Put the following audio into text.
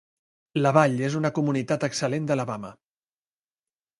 La vall és una "Comunitat excel·lent d'Alabama".